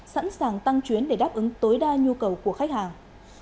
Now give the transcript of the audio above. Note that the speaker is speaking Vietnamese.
sẵn sàng tăng chuyến để đáp ứng tối đa nhu cầu của khách hàng